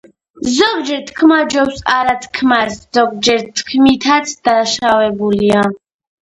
ზოგჯერ თქმა ჯობს არა თქმასა ზოგჯერ თქმითაც დაშავდების